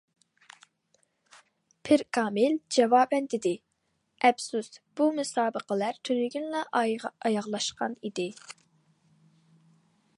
پىركامىل جاۋابەن دېدى:- ئەپسۇس بۇ مۇسابىقىلەر تۈنۈگۈنلا ئاياغلاشقانىدى.